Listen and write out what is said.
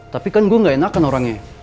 tapi kan gue gak enakan orangnya